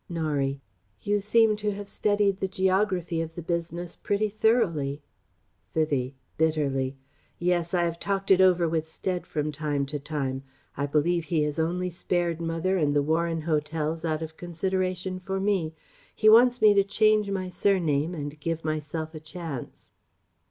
Norie: "You seem to have studied the geography of the business pretty thoroughly!..." Vivie (bitterly): "Yes. I have talked it over with Stead from time to time. I believe he has only spared mother and the Warren Hotels out of consideration for me ... He wants me to change my surname and give myself a chance..."